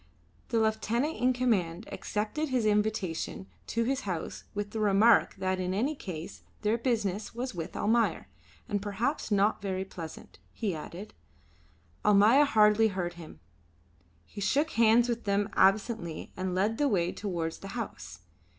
The lieutenant in command accepted his invitation to his house with the remark that in any case their business was with Almayer and perhaps not very pleasant, he added. Almayer hardly heard him. He shook hands with them absently and led the way towards the house.